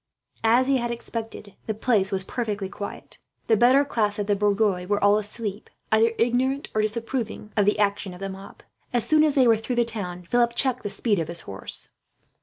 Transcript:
As he had expected, the place was perfectly quiet. The better class of the bourgeois were all asleep, either ignorant or disapproving of the action of the mob. As soon as they were through the town, Philip checked the speed of his horse.